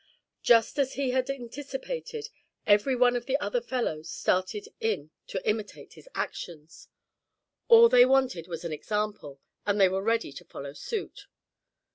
Just as he had anticipated, every one of the other fellows started in to imitate his actions. All they wanted was an example, and they were ready to follow suit.